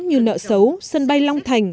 như nợ xấu sân bay long thành